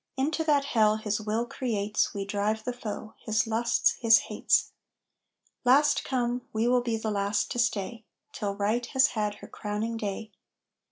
Into that hell his will creates We drive the foe his lusts, his hates. Last come, we will be last to stay, Till Right has had her crowning day.